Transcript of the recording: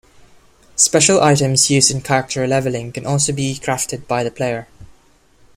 Special items used in character leveling can also be crafted by the player.